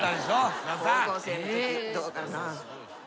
高校生のときどうかな？